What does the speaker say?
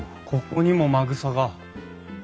ここにもまぐさが。